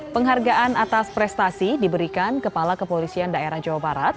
penghargaan atas prestasi diberikan kepala kepolisian daerah jawa barat